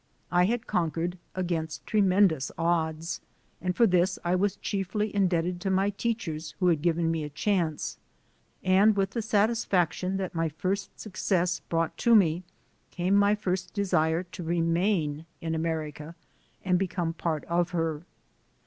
I had conquered against tremendous odds, and for this I was chiefly indebted to my teachers who had given me a chance. And with the satisfaction that my first success brought to me came my first desire to remain in America and become a part of her.